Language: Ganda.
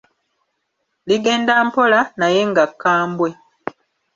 Ligenda mpola, naye nga kkambwe.